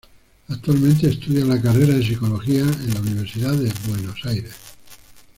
Actualmente estudia la carrera de psicología en la Universidad de Buenos Aires.